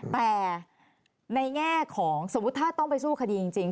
แต่ในแง่ของสมมุติถ้าต้องไปสู้คดีจริง